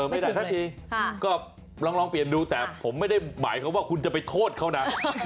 ไม่ได้สักทีก็ลองเปลี่ยนดูแต่ผมไม่ได้หมายความว่าคุณจะไปโทษเขานะ